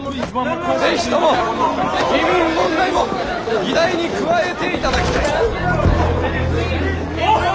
是非とも移民問題も議題に加えていただきたい！